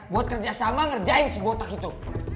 buat kerjasama ngerjain si botak itu